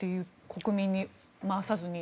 国民に回さずに。